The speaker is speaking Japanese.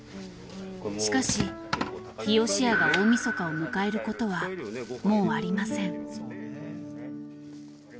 しかし日よしやが大晦日を迎えることはもうありません。